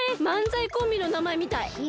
まんざいコンビの名前みたい。